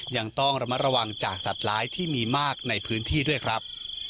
ยังต้องระมัดระวังจากสัตว์ร้ายที่มีมากในพื้นที่ด้วยครับ